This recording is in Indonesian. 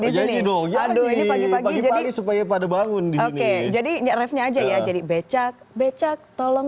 ini dong ya ini pagi pagi supaya pada bangun oke jadi refnya aja ya jadi becak becak tolong